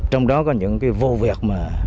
trong đó có những vô vẹt